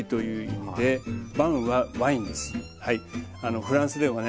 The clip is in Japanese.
フランスではね